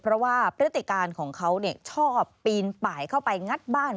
เพราะว่าพฤติการของเขาชอบปีนป่ายเข้าไปงัดบ้าน